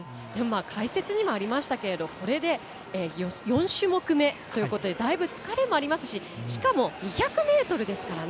解説にもありましたけどこれで４種目めということでだいぶ疲れもありますししかも２００ｍですからね。